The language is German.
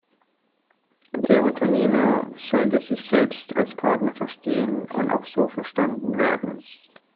Der Unternehmer sollte sich selbst als Partner verstehen und auch so verstanden werden.